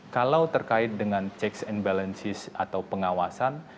kalau terkait dengan checks and balances atau pengawasan